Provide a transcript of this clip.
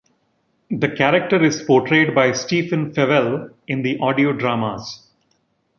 The character is portrayed by Stephen Fewell in the audio dramas.